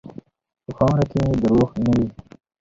په خاوره کې دروغ نه وي.